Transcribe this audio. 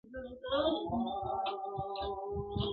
o اورته خپل او پردي يو دي!